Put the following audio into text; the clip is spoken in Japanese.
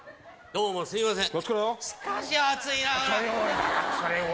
どうもすいません。